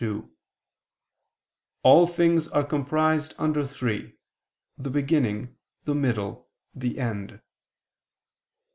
2), "all things are comprised under three, the beginning, the middle, the end."